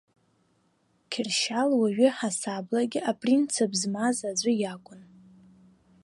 Кьыршьал уаҩы ҳасаблагьы апринцип змаз аӡә иакәын.